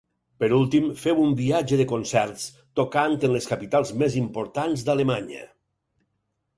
Per últim féu un viatge de concerts, tocant en les capitals més importants d'Alemanya.